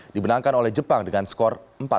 dibenangkan oleh jepang dengan skor empat satu